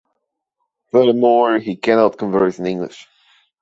Furthermore, he cannot converse in English.